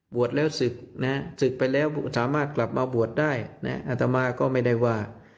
บวชแล้วศึกนะฮะศึกไปแล้วสามารถกลับมาบวชได้นะอัตมาก็ไม่ได้ว่า